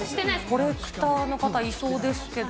コレクターの方、いそうです